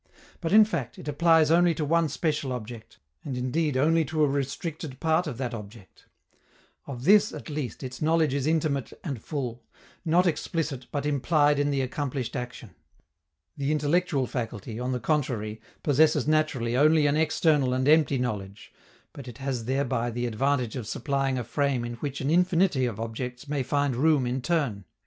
But, in fact, it applies only to one special object, and indeed only to a restricted part of that object. Of this, at least, its knowledge is intimate and full; not explicit, but implied in the accomplished action. The intellectual faculty, on the contrary, possesses naturally only an external and empty knowledge; but it has thereby the advantage of supplying a frame in which an infinity of objects may find room in turn.